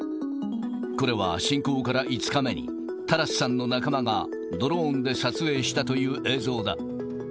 これは侵攻から５日目に、タラスさんの仲間がドローンで撮影したという映像だ。